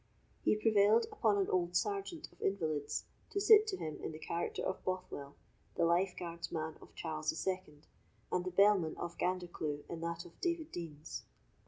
He prevailed upon an old sergeant of invalids to sit to him in the character of Bothwell, the lifeguard's man of Charles the Second, and the bellman of Gandercleugh in that of David Deans.